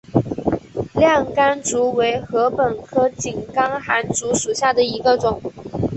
亮竿竹为禾本科井冈寒竹属下的一个种。